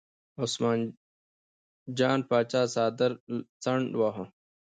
عثمان جان پاچا څادر څنډ واهه.